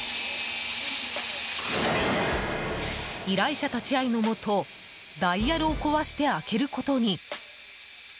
依頼者立ち会いのもとダイヤルを壊して開けることに。